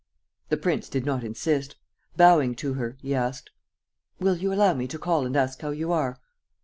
The prince did not insist. Bowing to her, he asked: "Will you allow me to call and ask how you are?"